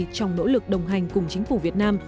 trong nỗ lực đồng hành cùng chính phủ việt nam